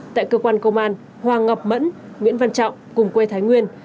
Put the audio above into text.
tại cơ quan công an hoàng ngọc mẫn nguyễn văn trọng cùng quê thái nguyên